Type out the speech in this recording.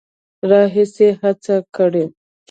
راهیسې هڅه کړې